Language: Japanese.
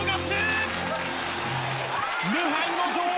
無敗の女王